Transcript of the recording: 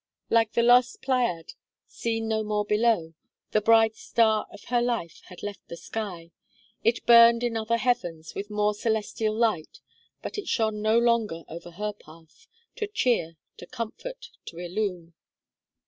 Like the lost Pleiad, "seen no more below," the bright star of her life had left the sky. It burned in other heavens with more celestial light; but it shone no longer over her path to cheer, to comfort, to illume.